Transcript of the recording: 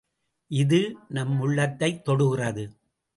இது, நம் உள்ளத்தைத் தொடுகிறது.